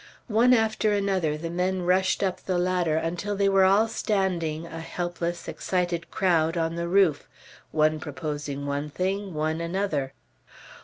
One after another the men rushed up the ladder, until they were all standing, a helpless, excited crowd, on the roof, one proposing one thing, one another.